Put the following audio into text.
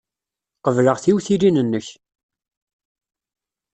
Qebleɣ tiwtilin-nnek.